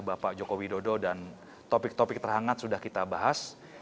bapak joko widodo dan topik topik terhangat sudah kita bahas